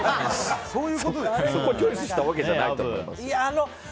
そこをチョイスしたわけじゃないと思いますけど。